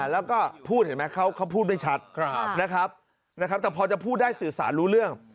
แล้วก็พูดเห็นไหมเขาพูดไม่ชัดนะครับแต่พอจะพูดได้สื่อสารรู้เรื่อง